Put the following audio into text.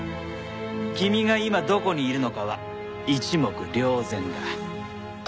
君が今どこにいるのかは一目瞭然だ。